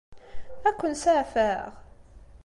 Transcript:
Ad ken-saɛfeɣ?